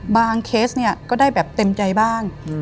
บางเคสเนี้ยก็ได้แบบเต็มใจบ้างอืม